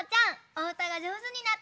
おうたがじょうずになったね！